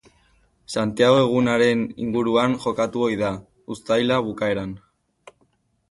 Santiago egunaren inguruan jokatu ohi da, uztaila bukaeran.